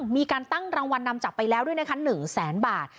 มีการตั้งรางวัลนำจับไปแล้วด้วยนะคะ๑แสนบาท